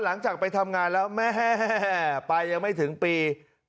หลังจากไปทำงานแล้วแม่ไปยังไม่ถึงปี